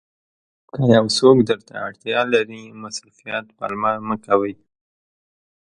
که یو څوک درته اړتیا لري مصروفیت پلمه مه کوئ.